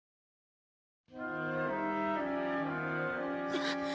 あっ。